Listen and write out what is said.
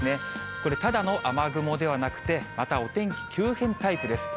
これ、ただの雨雲ではなくて、またお天気、急変タイプです。